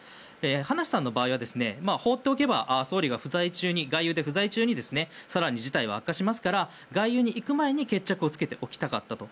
葉梨さんの場合は放っておけば総理が外遊不在中に更に事態は悪化しますから外遊に行く前に決着をつけておきたかったと。